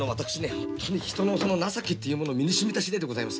本当に人のその情けっていうものを身にしみた次第でございます。